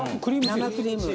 生クリーム。